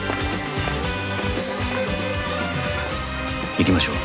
行きましょう。